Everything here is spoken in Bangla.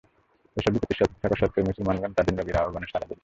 এসব বিপত্তি সত্ত্বেও মুসলমানগণ তাঁদের নবীর আহবানে সাড়া দিল।